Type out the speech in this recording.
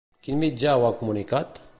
Quin mitjà ho ha comunicat?